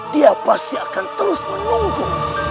dia pasti akan terus menunggu